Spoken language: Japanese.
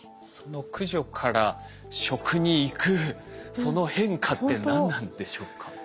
その駆除から食に行くその変化って何なんでしょうか？